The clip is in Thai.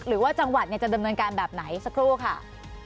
หรือว่าจังหวัดจะดำเนินการแบบไหนสักครู่ค่ะ